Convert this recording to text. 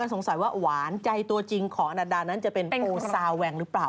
เพราะว่าอยากจะทันกันกับน้องโดนัทหรือเปล่า